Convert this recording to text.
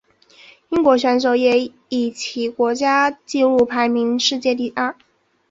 英国选手也以其国家纪录排名世界第二。